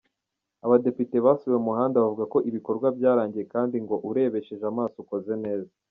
Abadepite basuye uwo muhanda bavuga ko ibikorwa byarangiye kandi ngo urebesheje amaso ukoze neza.